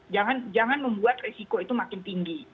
jangan membuat risiko itu makin tinggi